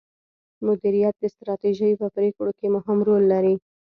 مديريت د ستراتیژۍ په پریکړو کې مهم رول لري.